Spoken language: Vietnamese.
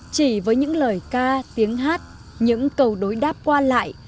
chỉ với những lời ca tiếng hát những cầu đối đáp qua lại